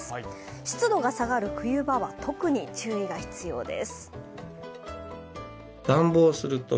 湿度が下がる冬場は特に注意が必要です。